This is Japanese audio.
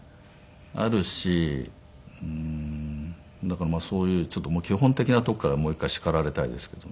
あるしだからそういう基本的なとこからもう一回叱られたいですけど。